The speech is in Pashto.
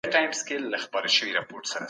کارپوهانو به کارګرانو ته د کار حق ورکوی.